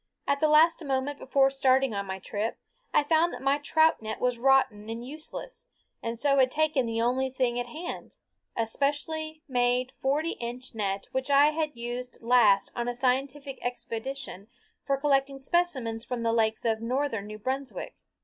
At the last moment before starting on my trip I found that my trout net was rotten and useless, and so had taken the only thing at hand, a specially made forty inch net which I had last used on a scientific expedition for collecting specimens from the lakes of northern New Brunswick.